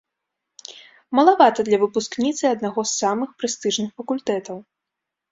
Малавата для выпускніцы аднаго з самых прэстыжных факультэтаў.